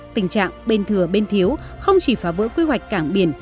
tình trạng bên thừa bên thiếu không chỉ phá vỡ quy hoạch cảng biển